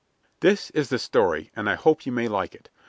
This is the story, and I hope you may like it.